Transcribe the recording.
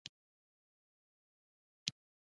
که تیزاب او القلي سره یوځای شي څه کیږي.